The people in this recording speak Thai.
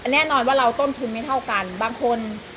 แน่นอนว่าเราต้นทุนไม่เท่ากันบางคน